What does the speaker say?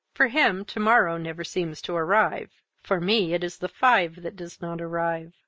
For him to morrow never seems to arrive. For me it is the five that does not arrive.